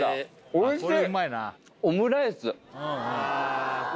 おいしい！